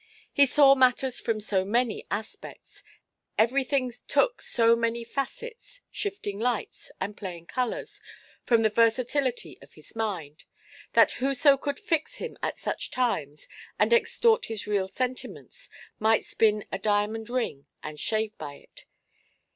He saw matters from so many aspects, everything took so many facets, shifting lights, and playing colours, from the versatility of his mind, that whoso could fix him at such times, and extort his real sentiments, might spin a diamond ring, and shave by it.